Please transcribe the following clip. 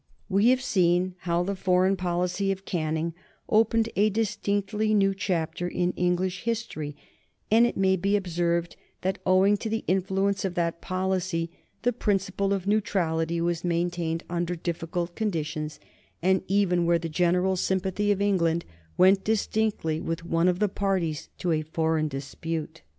We have seen how the foreign policy of Canning opened a distinctly new chapter in English history, and it may be observed that owing to the influence of that policy the principle of neutrality was maintained under difficult conditions, and even where the general sympathy of England went distinctly with one of the parties to a foreign dispute.